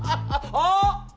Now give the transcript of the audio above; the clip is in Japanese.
あっ！